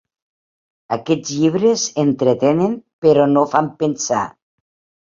Aquests llibres entretenen, però no fan pensar.